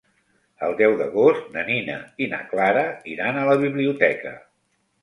El deu d'agost na Nina i na Clara iran a la biblioteca.